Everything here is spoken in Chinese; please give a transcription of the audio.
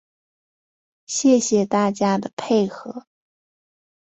谢谢大家的配合